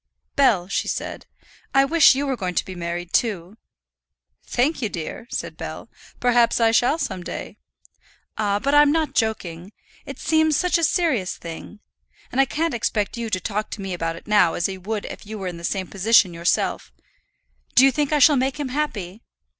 "Bell," she said, "I wish you were going to be married too." "Thank'ye, dear," said Bell. "Perhaps I shall some day." "Ah; but I'm not joking. It seems such a serious thing. And I can't expect you to talk to me about it now as you would if you were in the same position yourself. Do you think I shall make him happy?"